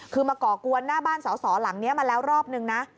คือมาก่อกวนหน้าบ้านสอสอหลังนี้มาแล้วรอบนึงนะ